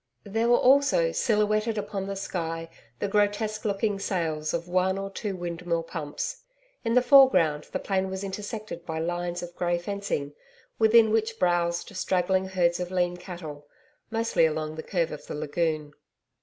There were also silhouetted upon the sky the grotesque looking sails of one or two windmill pumps. In the foreground the plain was intersected by lines of grey fencing, within which browsed straggling herds of lean cattle, mostly along the curve of the lagoon.